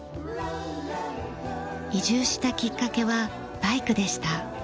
移住したきっかけはバイクでした。